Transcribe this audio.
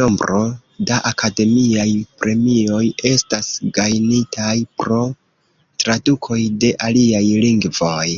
Nombro da akademiaj premioj estas gajnitaj pro tradukoj de aliaj lingvoj.